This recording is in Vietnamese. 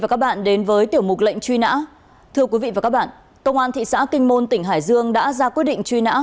công an thị xã kinh môn tỉnh hải dương đã ra quyết định truy nã